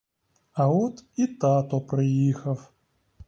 А от і тато приїхав!